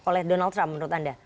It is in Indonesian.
oleh donald trump menurut anda